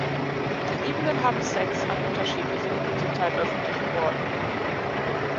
Die Liebenden haben Sex an unterschiedlichen, zum Teil öffentlichen, Orten.